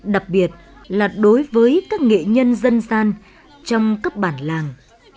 đặc biệt là đối với các nghệ nhân dân gian trong các bản làng